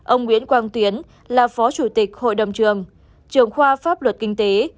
ông nguyễn quang tuyến là phó chủ tịch hội đồng trường trường khoa pháp luật kinh tế